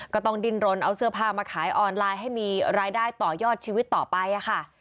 ก็ต้องดิ้นรนเอาเสื้อผ้ามาขายออนไลน์ให้มีรายได้ต่อยอดชีวิตต่อไปค่ะ